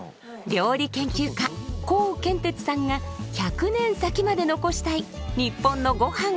料理研究家コウケンテツさんが１００年先まで残したい日本のゴハンを探す旅。